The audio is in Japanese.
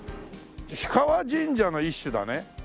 氷川神社の一種だね。